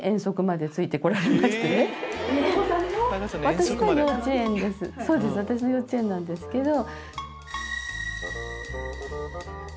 私の幼稚園なんですけど。